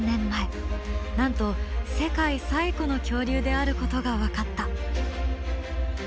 なんと世界最古の恐竜であることが分かった。